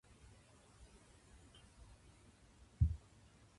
会社と当監査法人との間には、公認会計士法の規定により記載すべき利害関係はない